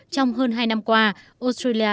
trong hơn hai năm qua australia